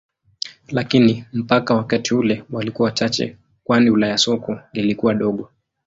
Lakini mpaka wakati ule walikuwa wachache kwani Ulaya soko lilikuwa dogo.